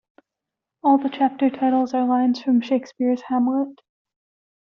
All the chapter titles are lines from Shakespeare's "Hamlet".